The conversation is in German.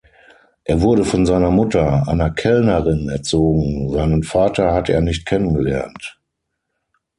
Er wurde von seiner Mutter, einer Kellnerin, erzogen; seinen Vater hat er nicht kennengelernt.